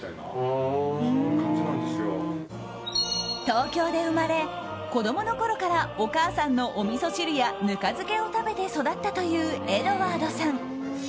東京で生まれ、子供のころからお母さんのおみそ汁やぬか漬けを食べて育ったというエドワードさん。